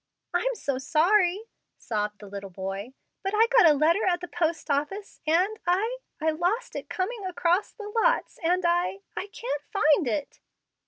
"I'm so sorry," sobbed the little boy, "but I got a letter at the post office, and I I lost it coming across the lots, and I I can't find it."